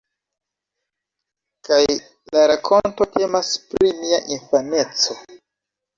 Kaj la rakonto temas pri mia infaneco.